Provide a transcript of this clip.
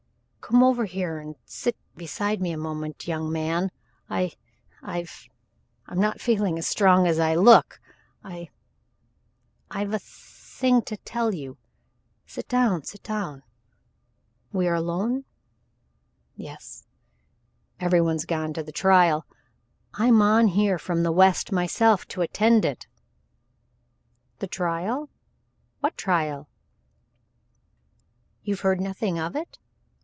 "Come over here and sit beside me a moment, young man I I've I'm not feeling as strong as I look. I I've a thing to tell you. Sit down sit down. We are alone? Yes. Every one's gone to the trial. I'm on here from the West myself to attend it." "The trial! What trial?" "You've heard nothing of it?